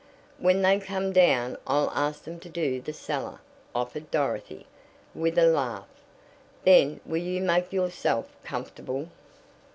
"When they come down I'll ask them to do the cellar," offered Dorothy, with a laugh. "Then will you make yourself comfortable?"